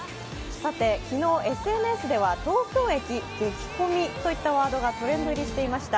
さて、昨日、ＳＮＳでは東京駅、激混みといったワードがトレンド入りしていました。